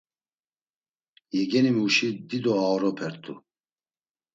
Yegenimuşi dido aoropert̆u.